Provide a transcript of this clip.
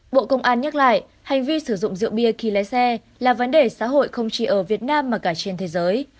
bộ công an nhắc lại hành vi sử dụng rượu bia khi lái xe là vấn đề xã hội không chỉ ở việt nam mà cả trên thế giới